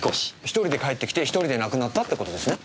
１人で帰ってきて１人で亡くなったってことですね。